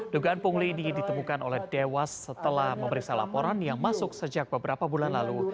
dugaan pungli ini ditemukan oleh dewas setelah memeriksa laporan yang masuk sejak beberapa bulan lalu